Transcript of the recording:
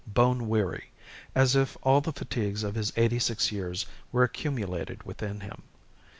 Bone weary. As if all the fatigues of his eighty six years were accumulated within him.